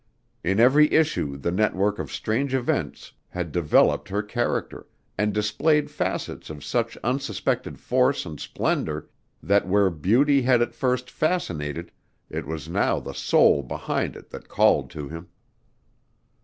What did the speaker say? In every issue the network of strange events had developed her character, and displayed facets of such unsuspected force and splendor that where beauty had at first fascinated it was now the soul behind it that called to him.